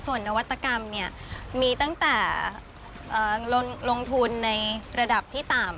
ส่วนนวัตกรรมเนี่ยมีตั้งแต่ลงทุนในระดับที่ต่ำ